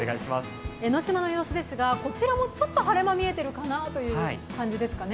江の島の様子ですがこちらもちょっと晴れ間見えているかなという感じですね。